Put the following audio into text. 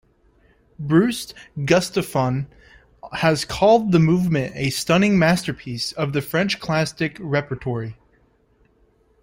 Bruce Gustafson has called the movement a stunning masterpiece of the French classic repertory.